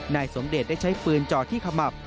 นายสมเดชได้ใช้ปืนจ่อที่ขมับ